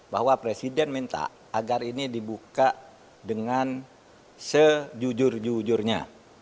bahwa presiden minta agar ini dibuka dengan sejujur jujurnya